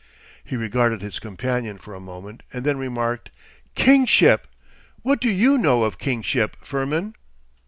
He regarded his companion for a moment and then remarked: 'Kingship!—what do you know of kingship, Firmin?